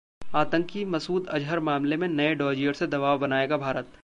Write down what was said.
आतंकी मसूद अजहर मामले में नए डॉजियर से दबाव बनाएगा भारत